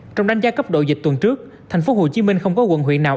trong đánh giá cấp độ dịch tuần trước thành phố hồ chí minh không có quận huyện nào